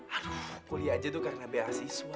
aduh kuliah aja tuh karena beasiswa